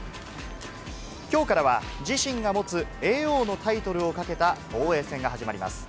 今日からは自身が持つ叡王のタイトルをかけた防衛戦が始まります。